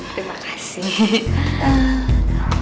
eh terima kasih